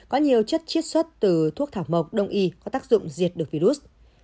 có nhiều chất chiết xuất từ thuốc thảo mộc đông y có tác dụng diệt được virus